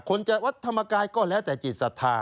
จะวัดธรรมกายก็แล้วแต่จิตศรัทธา